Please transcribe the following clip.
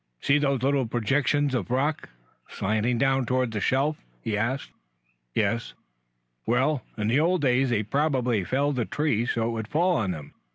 "See those little projections of rock slanting down toward the shelf?" he asked. "Yes." "Well, in the old days they probably felled a tree so it would fall on them.